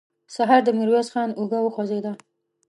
سهار د ميرويس خان اوږه وخوځېده.